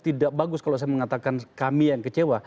tidak bagus kalau saya mengatakan kami yang kecewa